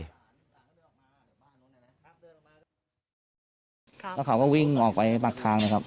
แล้วเขาก็วิ่งออกไปปากทางเลยครับ